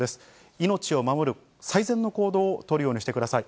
命を守る最善の行動を取るようにしてください。